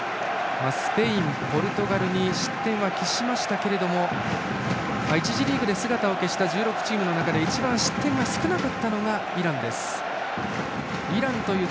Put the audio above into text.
スペイン、ポルトガルに失点は喫しましたが１次リーグで姿を消した１６チームの中で一番失点が少なかったのがイランです。